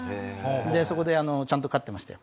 そこでちゃんと飼ってましたよ。